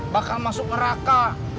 bakal masuk neraka